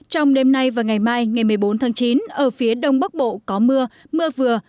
trong đêm nay và ngày mai ngày một mươi bốn tháng chín ở phía đông bắc bộ có mưa mưa vừa